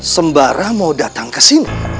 sembara mau datang ke sini